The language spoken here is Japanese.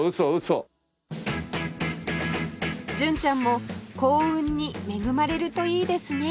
純ちゃんも幸運に恵まれるといいですね